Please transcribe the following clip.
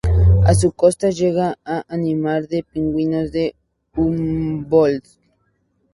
A sus costas llega a anidar el Pingüino de Humboldt.